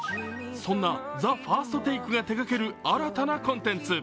そんな、「ＴＨＥＦＩＲＳＴＴＡＫＥ」が手がける、新たなコンテンツ。